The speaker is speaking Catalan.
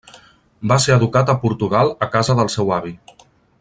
Va ser educat a Portugal a casa del seu avi.